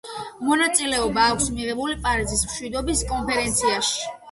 მონაწილეობა აქვს მიღებული პარიზის მშვიდობის კონფერენციაში.